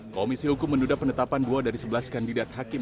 komisi hukum menduda penetapan dua dari sebelas kandidat hakim